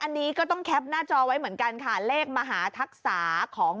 อันนี้ก็ต้องแคปหน้าจอไว้เหมือนกันค่ะเลขมหาทักษาของ